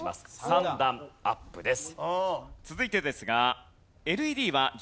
３段アップです。